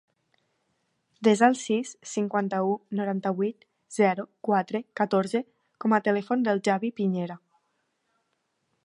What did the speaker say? Desa el sis, cinquanta-u, noranta-vuit, zero, quatre, catorze com a telèfon del Xavi Piñera.